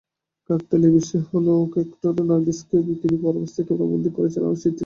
কাকতালীয় বিষয় হলো, ক্যাটের মতো নার্গিসকেও বিকিনি পরা অবস্থায় ক্যামেরাবন্দী করেছেন আলোকচিত্রীরা।